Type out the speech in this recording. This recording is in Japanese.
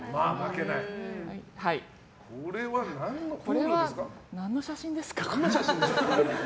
これは何の写真ですか？